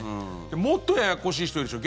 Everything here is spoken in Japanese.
もっとややこしい人いるでしょ。